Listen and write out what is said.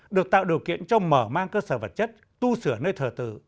được tạo điều kiện cho mở mang cơ sở vật chất tu sửa nơi thờ tự